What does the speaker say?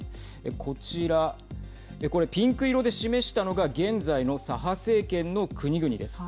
こちらこれ、ピンク色で示したのが現在の左派政権の国々です。